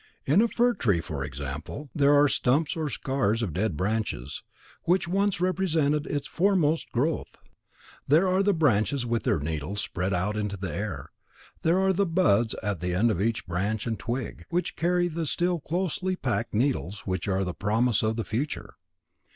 In a fir tree, for example, there are the stumps or scars of dead branches, which once represented its foremost growth; there are the branches with their needles spread out to the air; there are the buds at the end of each branch and twig, which carry the still closely packed needles which are the promise of the future.